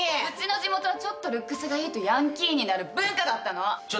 うちの地元はちょっとルックスがいいとヤンキーになる文化だったの！